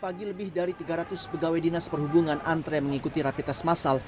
sejak pagi lebih dari tiga ratus pegawai dinas perhubungan antre mengikuti rapitas masal